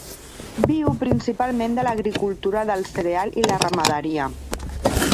Viu principalment de l’agricultura del cereal i la ramaderia.